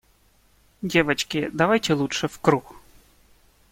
Девочки, давайте лучше в круг!..